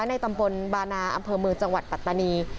ในตำบลบานาอำเภอเมืองจังหวัดปัตตานี